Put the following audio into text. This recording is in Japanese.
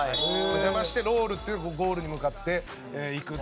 邪魔して、ロールっていうゴールに向かっていくっていう。